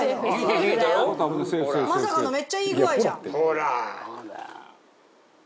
まさかのめっちゃいい具合じゃん。